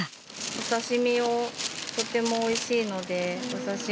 お刺身をとてもおいしいのでお刺身を頼んで。